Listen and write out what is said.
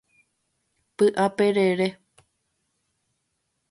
Py'aperere.